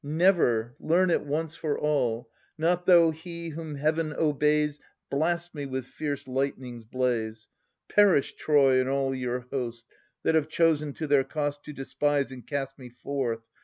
Never, learn it once for all! Not though he, whom Heaven obeys. Blast me with fierce lightning's blase ! Perish Troy, and all your host. That have chosen, to their cost. To despise and cast me forth.